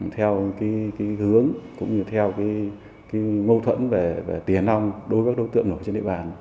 theo cái hướng cũng như theo cái ngâu thuẫn về tiền ong đối với các đối tượng ở trên địa bàn